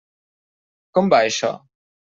Com va això?